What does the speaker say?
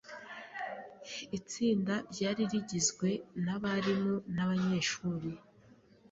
Itsinda ryari rigizwe nabarimu nabanyeshuri.